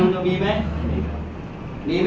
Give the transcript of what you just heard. มีไหมมีไหมฮะไม่มีครับเอาไปมีแล้วมันจะมันจะผมก็ไม่รู้